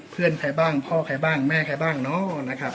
เพื่อนใครบ้างพ่อใครบ้างแม่ใครบ้างเนาะนะครับ